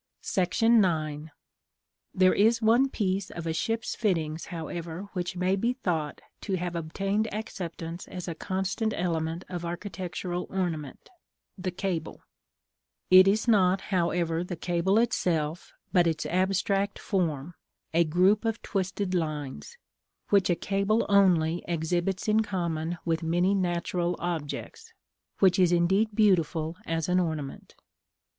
§ IX. There is one piece of a ship's fittings, however, which may be thought to have obtained acceptance as a constant element of architectural ornament, the cable: it is not, however, the cable itself, but its abstract form, a group of twisted lines (which a cable only exhibits in common with many natural objects), which is indeed beautiful as an ornament.